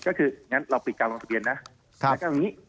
ก็คืออย่างนั้นเราปิดการลงทะเบียนนะการแบบนี้